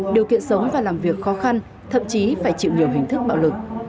điều kiện sống và làm việc khó khăn thậm chí phải chịu nhiều hình thức bạo lực